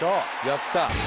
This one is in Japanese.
「やった！」